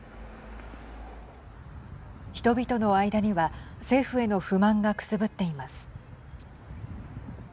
人々の間には政府への不満がくすぶっています。